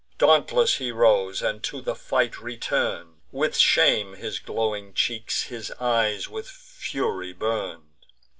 Dauntless he rose, and to the fight return'd; With shame his glowing cheeks, his eyes with fury burn'd.